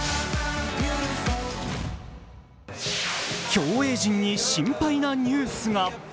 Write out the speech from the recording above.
競泳陣に心配なニュースが。